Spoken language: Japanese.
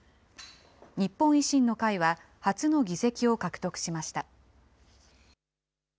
日本維新の会は、初の議席を獲得しました。